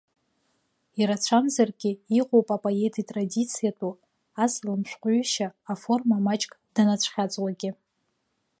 Ирацәамзаргьы иҟоуп апоет итрадициатәу асалам шәҟәҩышьа аформа маҷк данацәхьаҵуагьы.